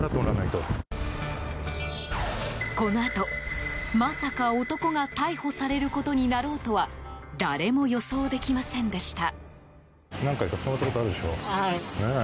このあと、まさか男が逮捕されることになろうとは誰も予想できませんでした。